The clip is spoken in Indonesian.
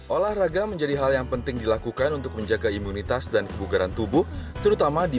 olahraga menjadi hal yang penting dilakukan untuk menjaga imunitas dan kebugaran tubuh terutama di